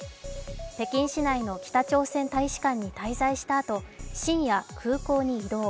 北京市内の北朝鮮大使館に滞在したあと深夜、空港に移動。